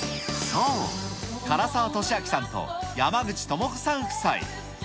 そう、唐沢寿明さんと山口智子さん夫妻。